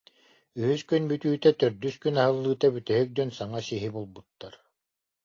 Үһүс күн бүтүүтэ, төрдүс күн аһыллыыта бүтэһик дьон саҥа сиһи булбуттар